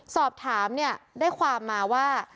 สอบถามเนี่ยได้ความมาว่า